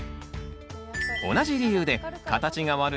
同じ理由で形が悪い